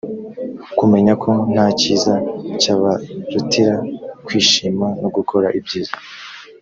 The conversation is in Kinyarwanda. kumenya ko nta cyiza cyabarutira kwishima no gukora ibyiza